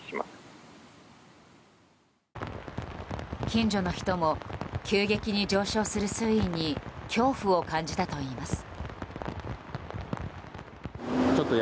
近所の人も急激に上昇する水位に恐怖を感じたといいます。